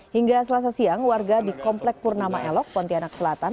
hingga selasa siang warga di komplek purnama elok pontianak selatan